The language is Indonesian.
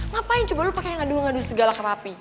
ngapain coba lo pake yang adu adu segala ke papi